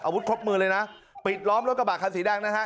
ครบมือเลยนะปิดล้อมรถกระบะคันสีแดงนะฮะ